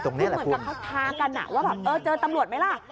เหมือนกับเขาท้ากันว่าแบบเออเจอตำรวจไหมล่ะ